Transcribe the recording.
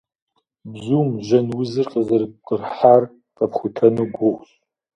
Бзум жьэн узыр къызэрыпкърыхьар къэпхутэну гугъущ.